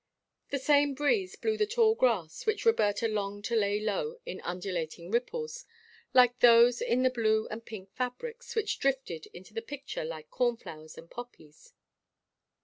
The same breeze blew the tall grass which Roberta longed to lay low in undulating ripples like those in the blue and pink fabrics, which drifted into the picture like cornflowers and poppies.